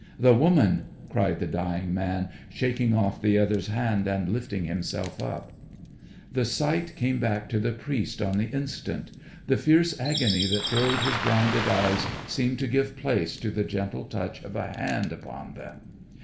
"The woman!" cried the dying man shaking off the other's hand and lifting himself up. The sight came back to the priest on the instant. The fierce agony that filled his blinded eyes seemed to give place to the gentle touch of a hand upon them.